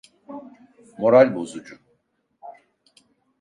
Moral bozucu.